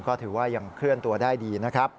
ก็ถือว่ายังเคลื่อนตัวได้ดีนะครับ